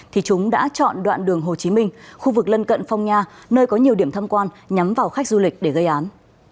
thì chúng đã chọn đoạn đường hồ chí minh khu vực lân cận phong nha nơi có nhiều điểm thăm quan nhắm vào khách du lịch để gây án